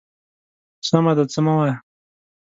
_سمه ده، څه مه وايه.